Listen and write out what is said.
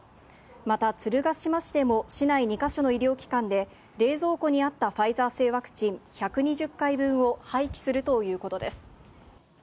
また鶴ヶ島市でも市内２か所の医療機関で冷蔵庫にあったファイザー製ワクチン１２０回分を廃棄するということです。